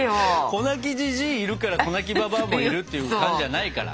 子泣きじじいいるから子泣きばばあもいるっていう感じじゃないから。